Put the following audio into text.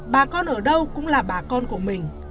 bà con ở đâu cũng là bà con của mình